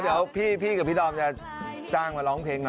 เดี๋ยวพี่กับพี่ดอมจะจ้างมาร้องเพลงหน่อย